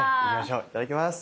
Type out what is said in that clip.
いただきます。